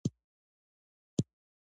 آیا د سالنګ نوی تونل جوړیږي؟